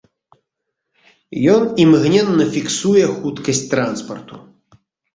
Ён імгненна фіксуе хуткасць транспарту.